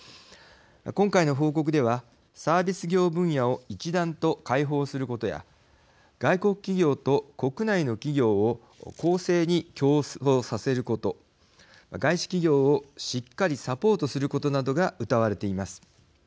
今回の報告ではサービス業分野を一段と開放することや外国企業と国内の企業を公正に競争させること外資企業をしっかりサポートすることなどがうたわれています。